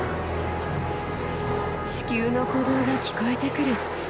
地球の鼓動が聞こえてくる。